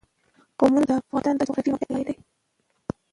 قومونه د افغانستان د جغرافیایي موقیعت پایله ده.